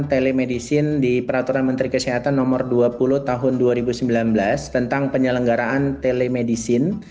telemedicine di peraturan menteri kesehatan nomor dua puluh tahun dua ribu sembilan belas tentang penyelenggaraan telemedicine